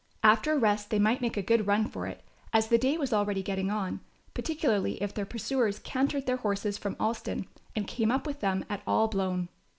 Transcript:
After a rest they might make a good run for it, as the day was already getting on, particularly if their pursuers cantered their horses from Alston and came up with them at all blown.